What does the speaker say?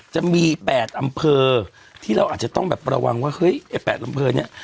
จะมี๘อำเภอที่เราอาจจะต้องแบบระวังว่าเฮ้ยไอ้๘อำเภอเนี่ย